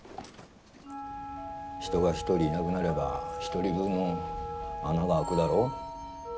人が１人いなくなれば１人分穴が開くだろ？